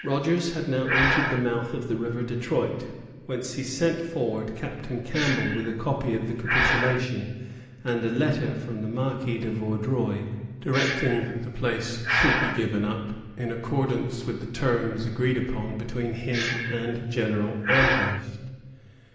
Rogers had now entered the mouth of the River Detroit, whence he sent forward Captain Campbell with a copy of the capitulation, and a letter from the Marquis de Vaudreuil, directing that the place should be given up, in accordance with the terms agreed upon between him and General Amherst.